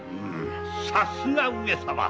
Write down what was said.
さすが上様。